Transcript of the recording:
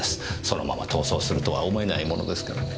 そのまま逃走するとは思えないものですからね。